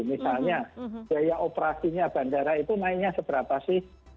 misalnya biaya operasinya bandara itu naiknya seberapa sih